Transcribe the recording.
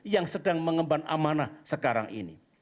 yang sedang mengemban amanah sekarang ini